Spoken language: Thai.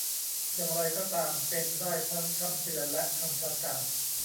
อย่างไรก็ตาม เป็นได้ทั้งคำเตือนและคำประกาศ